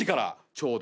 ちょうど。